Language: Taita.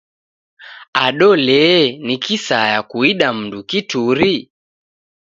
Ado lee, ni kisaya kuida mndu kituri?